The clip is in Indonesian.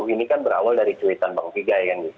ini kan berawal dari cuitan bang viga